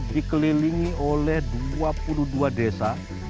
dikelilingi oleh dua puluh dua desa